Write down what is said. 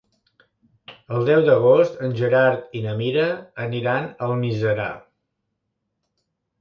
El deu d'agost en Gerard i na Mira aniran a Almiserà.